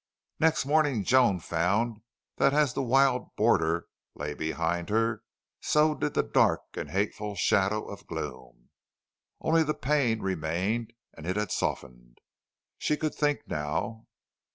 Next morning Joan found that as the wild border lay behind her so did the dark and hateful shadow of gloom. Only the pain remained, and it had softened. She could think now.